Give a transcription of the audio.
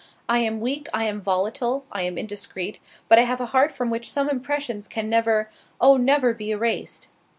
I am weak, I am volatile, I am indiscreet, but I have a heart from which some impressions can never—oh! never, be erased."